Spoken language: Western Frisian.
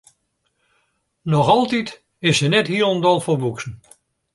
Noch altyd is se net hielendal folwoeksen.